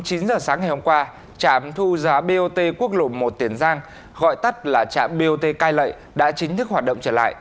chín h sáng ngày hôm qua trạm thu giá bot quốc lộ một tiền giang gọi tắt là trạm bot cai lệ đã chính thức hoạt động trở lại